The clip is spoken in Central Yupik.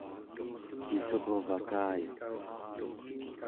issurvakayak